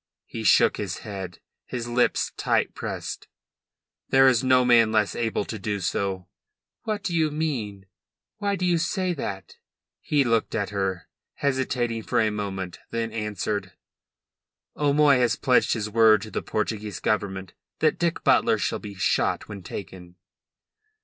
He shook his head, his lips tight pressed. "'There is no man less able to do so." "What do you mean? Why do you say that?" He looked at her, hesitating for a moment, then answered her: "'O'Moy has pledged his word to the Portuguese Government that Dick Butler shall be shot when taken."